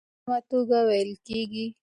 درس په ارامه توګه ویل کېږي.